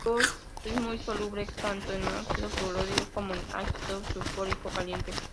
Es muy soluble tanto en ácido fluorhídrico como en ácido sulfúrico caliente.